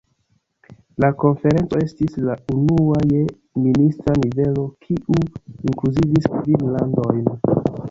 La konferenco estis la unua je ministra nivelo, kiu inkluzivis kvin landojn.